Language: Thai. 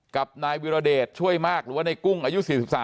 กับนายวิรเดชช่วยมากหรือว่าในกุ้งอายุ๔๓